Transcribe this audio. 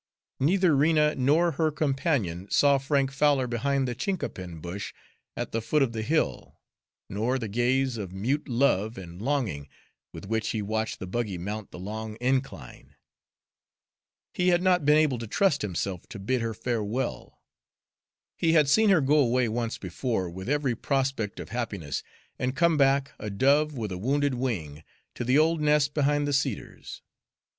Neither Rena nor her companion saw Frank Fowler behind the chinquapin bush at the foot of the hill, nor the gaze of mute love and longing with which he watched the buggy mount the long incline. He had not been able to trust himself to bid her farewell. He had seen her go away once before with every prospect of happiness, and come back, a dove with a wounded wing, to the old nest behind the cedars.